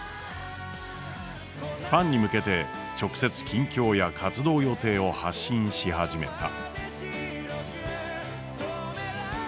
ファンに向けて直接近況や活動予定を発信し始めた。